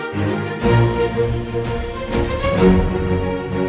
serta selamat menikmati